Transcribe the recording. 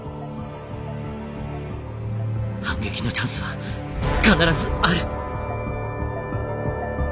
反撃のチャンスは必ずある！